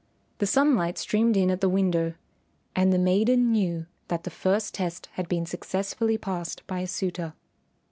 The sunlight streamed in at the window, and the maiden knew that the first test had been successfully passed by a suitor.